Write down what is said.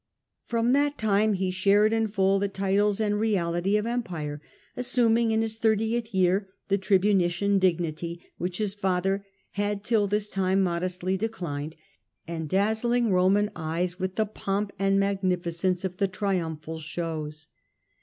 From that time he shared in full the titles and reality of empire, assuming in his thirtieth year the He shared Tribunician dignity which his father had till modestly declined, and dazzling his father, Roman eyes with the pomp and magni ficence of the triun iphal shows.